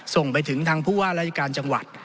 ส่งไปถึงทางผู้ว่าราชการจังหวัด